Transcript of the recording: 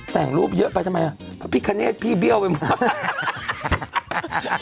แต่งรูปเยอะไปทำไมพระพิคเนตพี่เบี้ยวไปมาก